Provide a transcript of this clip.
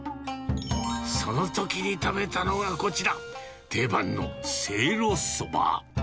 そのときに食べたのがこちら、定番のせいろうそば。